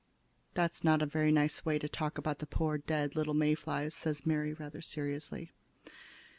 "That's not a very nice way to talk about the poor little dead May flies," said Mary, rather seriously.